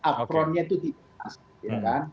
uptronnya itu tidak